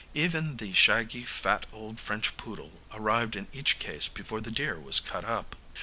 Even the shaggy fat old French poodle arrived in each case before the deer was cut up.